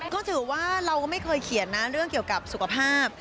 ก็ถือว่าเราก็ไม่เคยเขียนนะเรื่องเกี่ยวกับสุขภาพ